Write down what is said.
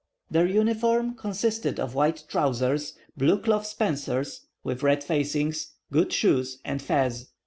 Their uniform consisted of white trousers, blue cloth spencers, with red facings, good shoes, and fez.